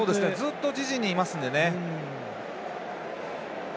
ずっと自陣にいますんでね。